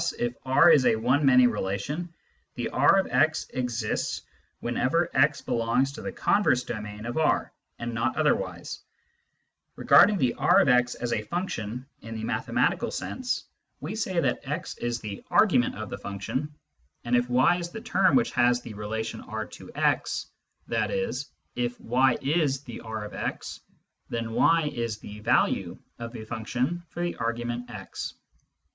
Thus if R is a one many relation, the R of x exists whenever * belongs to the converse domain of R, and not otherwise. Regarding " the R of x " as a function in the mathematical Kinds of Relations 47 sense, we say that x is the " argument " of the function, and if y is the term which has the relation R to x, i.e. if y is the R of x, then y is the " value " of the function for the argument x.